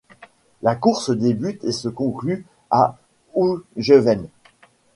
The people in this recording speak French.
La course débute et se conclut à Hoogeveen.